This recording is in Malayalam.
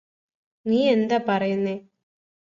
നീയെന്താ പറയുന്നേ